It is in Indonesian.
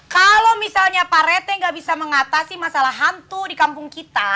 kalau misalnya pak rete nggak bisa mengatasi masalah hantu di kampung kita